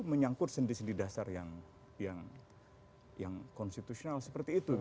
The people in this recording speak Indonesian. menyangkut sendi sendi dasar yang konstitusional seperti itu